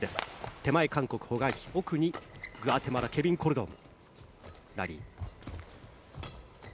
手前、韓国のホ・グァンヒ奥にグアテマラのケビン・コルドン。